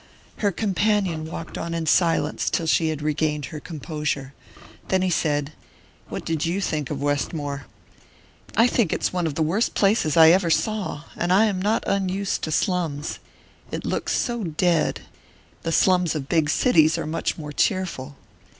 Her companion walked on in silence till she had regained her composure. Then he said: "What did you think of Westmore?" "I think it's one of the worst places I ever saw and I am not unused to slums. It looks so dead. The slums of big cities are much more cheerful."